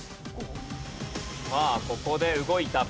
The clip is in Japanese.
さあここで動いた。